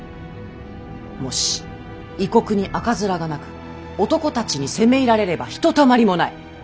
もし異国に赤面がなく男たちに攻め入られればひとたまりもない。